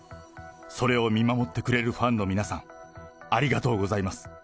それを見守ってくれるファンの皆さん、ありがとうございます。